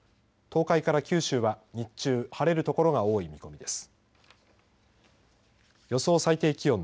東海から九州は日中、晴れる所が多い見込みです。